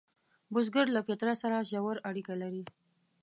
بزګر له فطرت سره ژور اړیکه لري